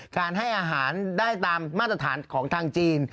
ให้อาหารได้ตามมาตรฐานของทางจีน